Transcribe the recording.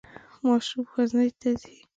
ماشوم ښوونځي ته ځي.